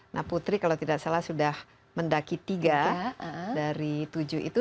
nah putri kalau tidak salah sudah mendaki tiga dari tujuh itu